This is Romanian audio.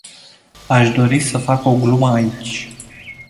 Aș dori să fac o glumă aici.